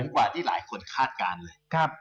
กว่าที่หลายคนคาดการณ์เลย